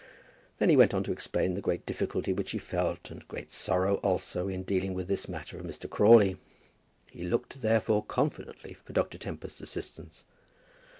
Then he went on to explain the great difficulty which he felt, and great sorrow also, in dealing with this matter of Mr. Crawley. He looked, therefore, confidently for Dr. Tempest's assistance.